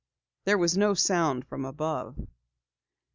There was no sound from above.